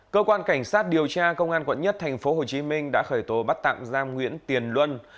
cơ quan cảnh sát điều tra công an quận một thành phố hồ chí minh đã khởi tố bắt tạm giam nguyễn tiền luân